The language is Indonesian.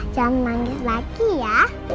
jangan manggil lagi ya